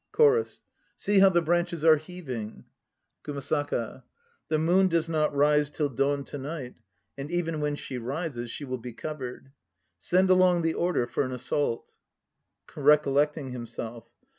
CHORUS. See how the branches are heaving. KUMASAKA. The moon does not rise till dawn to night; and even when she rises she will be covered. Send along the order for an assault! (Recollecting himself.)